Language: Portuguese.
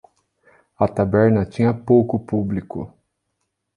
A taberna tinha pouco público.